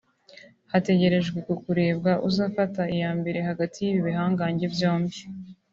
hategerejwe kkurebwa uzafata iya mbere hagati y’ibi bihangange byombi